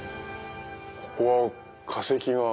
ここは化石が。